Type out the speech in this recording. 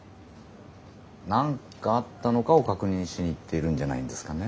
何かあったのかを確認しに行っているんじゃないですかね。